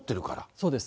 そうです。